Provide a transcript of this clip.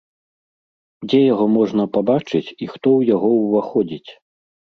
Дзе яго можна пабачыць і хто ў яго ўваходзіць?